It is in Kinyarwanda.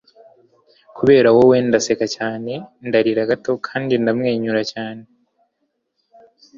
kubera wowe, ndaseka cyane, ndarira gato, kandi ndamwenyura cyane